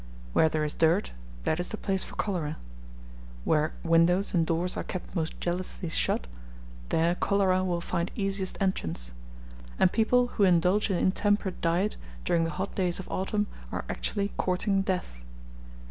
Where there is dirt, that is the place for cholera; where windows and doors are kept most jealously shut, there cholera will find easiest entrance; and people who indulge in intemperate diet during the hot days of autumn are actually courting death.